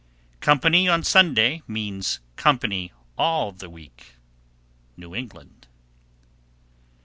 Company on Sunday means company all the week. _New England.